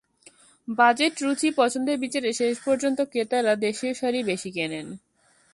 Budget, রুচি, পছন্দের বিচারে শেষ পর্যন্ত ক্রেতারা দেশীয় শাড়িই বেশি কেনেন।